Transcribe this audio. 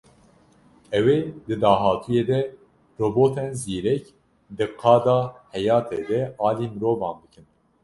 Ew ê di dahatûyê de robotên zîrek di qada heyatê de alî mirovan bikin.